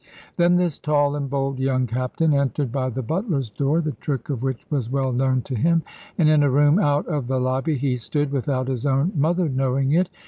Then this tall and bold young Captain entered by the butler's door, the trick of which was well known to him, and in a room out of the lobby he stood, without his own mother knowing it.